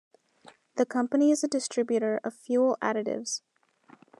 The company is a distributor of fuel additives.